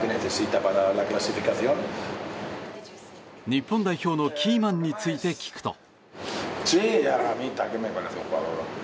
日本代表のキーマンについて聞くと。